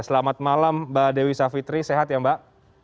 selamat malam mbak dewi savitri sehat ya mbak